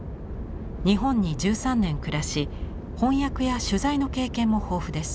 日本に１３年暮らし翻訳や取材の経験も豊富です。